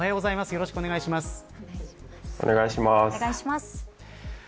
よろしくお願いします。